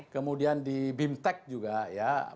kemudian di bimtek juga ya